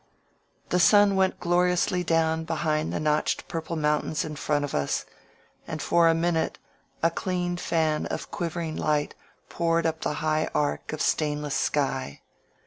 ... The sun went gloriously down behind the notched purple mountains in front of us, and for a minute a clear fan of quivering light poured up the high arc of stainless sky.